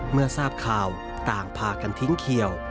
เมื่อทราบข่าวต่างพากันทิ้งเขียว